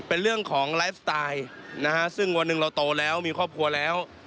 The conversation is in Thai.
เป็นเรื่องของไลฟ์สไตล์นะฮะซึ่งวันหนึ่งเราโตแล้วมีครอบครัวแล้ว